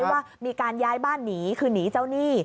ว่ามีการย้ายบ้านหนีคือหนีเจ้าหนี้